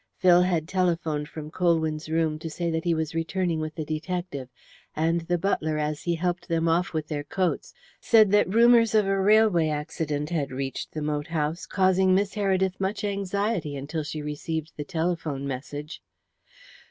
Phil had telephoned from Colwyn's rooms to say that he was returning with the detective, and the butler, as he helped them off with their coats, said that rumours of a railway accident had reached the moat house, causing Miss Heredith much anxiety until she received the telephone message.